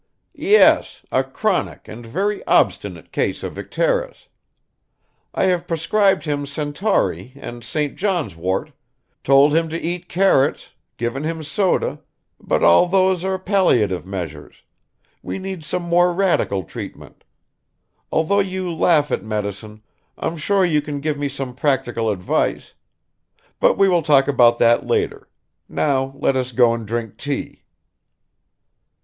"Yes, a chronic and very obstinate case of icterus. I have prescribed him centaury and St. John's wort, told him to eat carrots, given him soda; but all those are palliative measures; we need some more radical treatment. Although you laugh at medicine, I'm sure you can give me some practical advice. But we will talk about that later. Now let us go and drink tea."